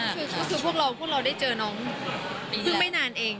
คือพวกเราพวกเราได้เจอน้องเพิ่งไม่นานเอง